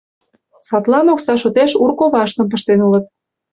Садлан окса шотеш ур коваштым пыштен улыт.